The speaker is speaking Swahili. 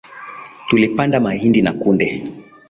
Tulipanda mahindi na kunde